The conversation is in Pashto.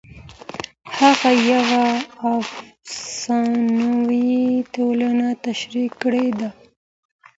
هغه یوه افسانوي ټولنه تشریح کړې ده.